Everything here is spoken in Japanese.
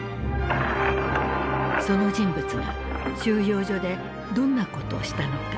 その人物が収容所でどんなことをしたのか？